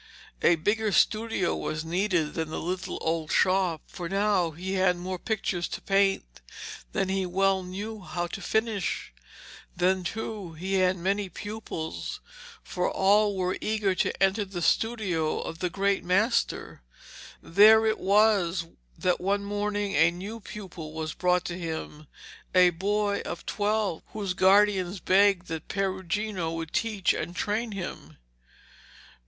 A bigger studio was needed than the little old shop, for now he had more pictures to paint than he well knew how to finish. Then, too, he had many pupils, for all were eager to enter the studio of the great master. There it was that one morning a new pupil was brought to him, a boy of twelve, whose guardians begged that Perugino would teach and train him.